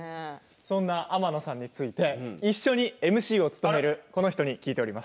そんな天野さんについて一緒にＭＣを務めるこの人に聞いています。